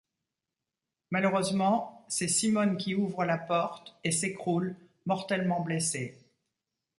Malheureusement, c'est Simone qui ouvre la porte et s'écroule, mortellement blessée.